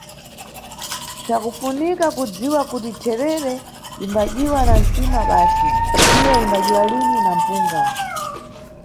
Mpsakufunika kudziwa kuti therere imbadyiwa na ntsima basi, iyo imbadyiwa lini na mpunga.